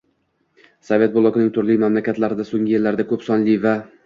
Sovet blokining turli mamlakatlarida so‘nggi yillarda ko‘p sonli va